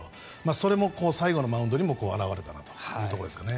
それも最後のマウンドにも表れたなというところですかね。